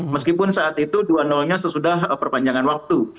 meskipun saat itu dua nya sesudah perpanjangan waktu